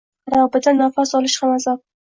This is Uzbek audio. Xarobada nafas olish ham azob.